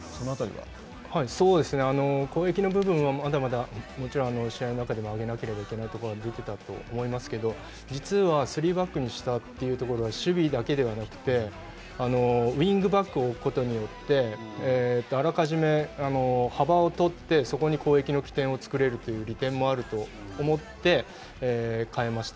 攻撃の部分はまだまだもちろん試合の中では上げなきゃいけないところが出てたと思いますけれども、実は、３バックにしたところというは守備だけではなくてウイングバックを置くことによってあらかじめ幅を取ってそこに攻撃の起点を作れるという利点もあると思って変えました。